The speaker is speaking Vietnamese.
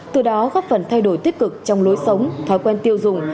từ đó góp phần thay đổi tích cực trong lối sống thói quen tiêu dùng